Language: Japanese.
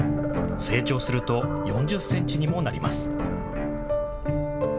成長すると４０センチにもなります。